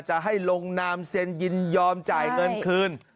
จะให้ลงนามเซ็นยินยอมจ่ายเงินคืน